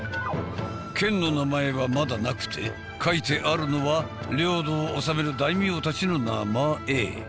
県の名前はまだなくて書いてあるのは領土を治める大名たちの名前。